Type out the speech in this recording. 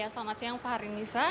selamat siang pak harimisa